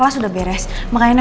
mata kotong ga ada